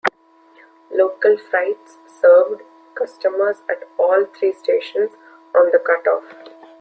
Local freights served customers at all three stations on the Cut-Off.